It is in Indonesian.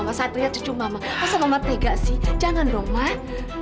biarin aja biar mereka tahu rasa mah